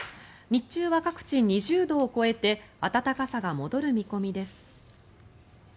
日中は各地、２０度を超えて暖かさが戻る見込みです。